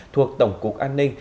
thuộc tổng cục an ninh